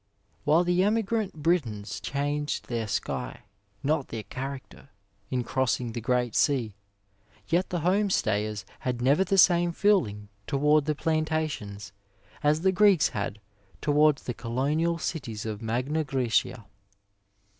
While the emigrant Britons changed their sky, not their character, in crossing the great sea, yet the home stayers had never the same feeling toward the plantations as the Greeks had towards the colonial cities of Magna GrsBcia.